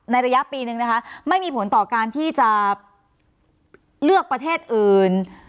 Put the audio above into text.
ระยะปีนึงนะคะไม่มีผลต่อการที่จะเลือกประเทศอื่น